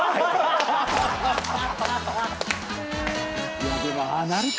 いやでもああなるか。